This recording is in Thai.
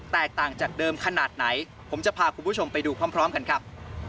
ต่างจากเดิมขนาดไหนผมจะพาคุณผู้ชมไปดูพร้อมกันครับ